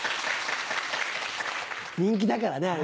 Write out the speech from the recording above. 人気だからねあれ。